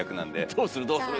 「どうするどうする」